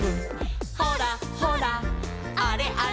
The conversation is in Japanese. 「ほらほらあれあれ」